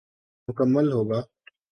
مکمل ہو گا۔